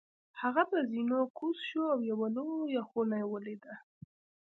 هغه په زینو کوز شو او یوه لویه خونه یې ولیده.